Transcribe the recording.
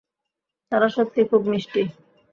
তারা সত্যিই খুব মিষ্টি।